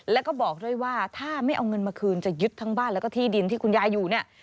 แล้วก็บอกด้วยว่าถ้าไม่เอาเงินมาคืนจะยึดทั้งบ้านแล้วก็ที่ดินที่คุณยายอยู่เนี่ย